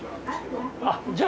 あっじゃあ。